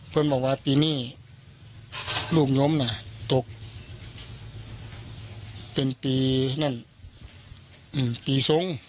บอกว่าปีนี้ลูกล้มน่ะตกเป็นปีนั่นปีทรง